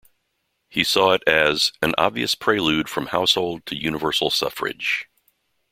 He saw it as 'an obvious prelude from household to universal suffrage'.